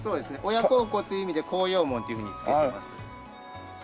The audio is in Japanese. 親孝行という意味で孝養門っていうふうに付けてます。